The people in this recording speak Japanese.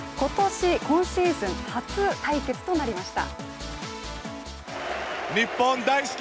今シーズン初対決となりました。